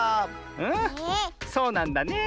うんそうなんだねえ。